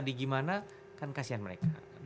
di gimana kan kasihan mereka